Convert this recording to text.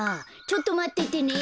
ちょっとまっててね。